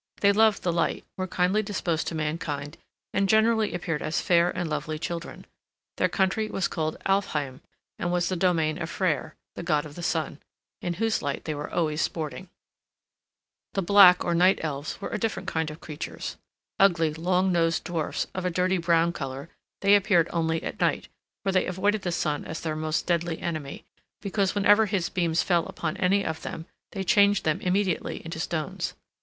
They loved the light, were kindly disposed to mankind, and generally appeared as fair and lovely children. Their country was called Alfheim, and was the domain of Freyr, the god of the sun, in whose light they were always sporting. The Black or Night Elves were a different kind of creatures. Ugly, long nosed dwarfs, of a dirty brown color, they appeared only at night, for they avoided the sun as their most deadly enemy, because whenever his beams fell upon any of them they changed them immediately into stones.